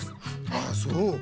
ああそう。